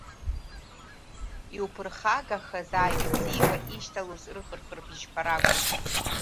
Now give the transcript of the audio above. Иуԥырхагахаз ааигәа-сигәа ишьҭалоз рыхырхыр бжьқәа ракәын.